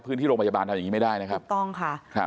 พื้นที่โรงพยาบาลทำอย่างนี้ไม่ได้นะครับถูกต้องค่ะครับ